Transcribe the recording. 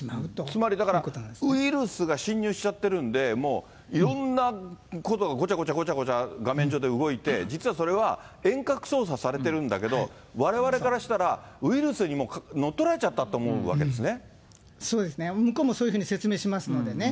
つまりだから、ウイルスが侵入しちゃってるんで、もういろんなことが、ごちゃごちゃごちゃごちゃ、画面上で動いて、実はそれは遠隔操作されてるんだけど、われわれからしたら、ウイルスにもう乗っ取られちゃったって思うわけですね。